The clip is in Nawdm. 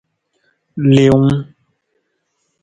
Leewun.